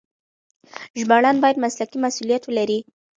ژباړن بايد مسلکي مسؤليت ولري.